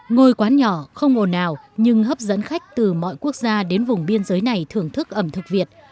ngôi quán nhỏ không ngồn nào nhưng hấp dẫn khách từ mọi quốc gia đến vùng biên giới này thưởng thức ẩm thực việt